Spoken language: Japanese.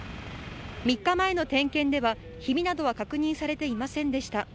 ３日前の点検ではひびなどは確認されていませんでした。